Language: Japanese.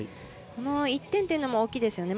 この１点というのも大きいです。